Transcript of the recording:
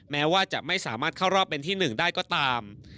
แม้ว่าจะไม่สามารถเข้ารอบเป็นที่๑ได้ก็ตาม